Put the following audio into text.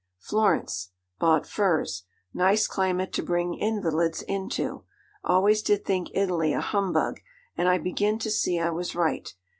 'Florence. Bought furs. Nice climate to bring invalids into. Always did think Italy a humbug, and I begin to see I was right.